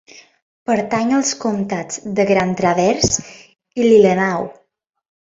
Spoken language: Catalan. Pertany als comtats de Grand Traverse i Leelanau.